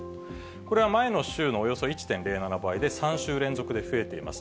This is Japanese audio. これは前の週のおよそ１．０７倍で、３週連続で増えています。